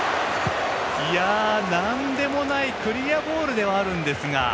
なんでもないクリアボールではあるんですが。